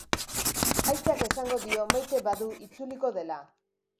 Aitak esango dio maite badu itzuliko dela.